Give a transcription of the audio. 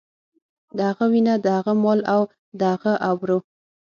د هغه وينه، د هغه مال او د هغه ابرو.